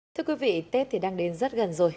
thưa quý vị tết thì đang đến rất gần rồi